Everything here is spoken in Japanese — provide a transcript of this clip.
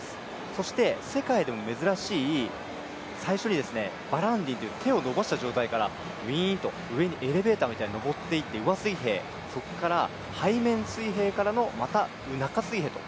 そして、世界でも珍しい最初にバランディンという手を伸ばした状態からウィーンと、上にエレベーターみたいに上っていって、上水平背面水平からの、また中水平と。